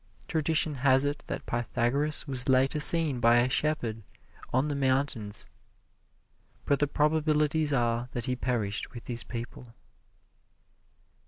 Tradition has it that Pythagoras was later seen by a shepherd on the mountains, but the probabilities are that he perished with his people.